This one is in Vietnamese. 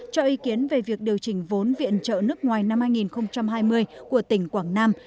cho ý kiến về việc điều chỉnh vốn viện trợ nước ngoài năm hai nghìn hai mươi của tỉnh quảng nam